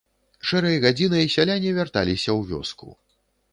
Шэрай гадзінай сяляне вярталіся ў вёску.